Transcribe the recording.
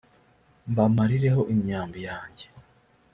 mbamarireho imyambi yanjye.